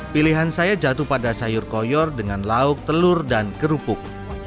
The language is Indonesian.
pilihan saya jatuh pada sayur koyor dengan lauk telur dan kerupuk